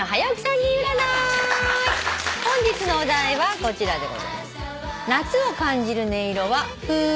本日のお題はこちらでございます。